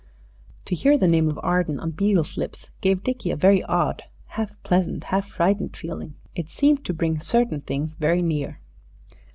To hear the name of Arden on Beale's lips gave Dickie a very odd, half pleasant, half frightened feeling. It seemed to bring certain things very near.